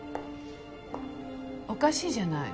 おかしいじゃない。